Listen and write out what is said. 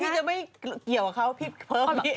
พี่จะไม่เกี่ยวกับเขาพี่เพิ่ม